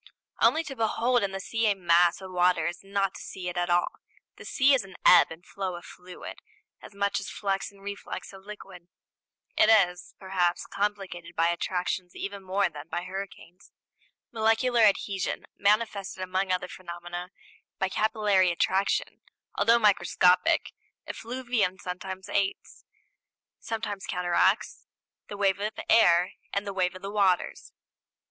Only to behold in the sea a mass of water is not to see it at all: the sea is an ebb and flow of fluid, as much as a flux and reflux of liquid. It is, perhaps, complicated by attractions even more than by hurricanes; molecular adhesion, manifested among other phenomena by capillary attraction, although microscopic, takes in ocean its place in the grandeur of immensity; and the wave of effluvium sometimes aids, sometimes counteracts, the wave of the air and the wave of the waters.